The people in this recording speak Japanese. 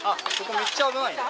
めっちゃ危ないで。